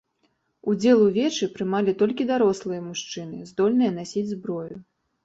Удзел у вечы прымалі толькі дарослыя мужчыны, здольныя насіць зброю.